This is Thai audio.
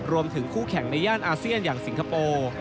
รวมถึงคู่แข่งในย่านอาเซียนอย่างสิงคโปร์